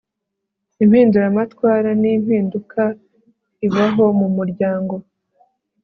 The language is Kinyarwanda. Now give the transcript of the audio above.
impinduramatwara ni impinduka ibaho mu muryango